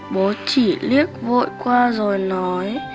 bố chỉ liếc vội qua rồi nói